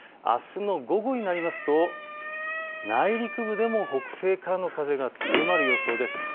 あすの午後になりますと内陸部でも北西からの風が強まる予想です。。